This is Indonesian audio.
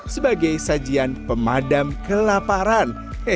sebagai sajian pemadam kelaparan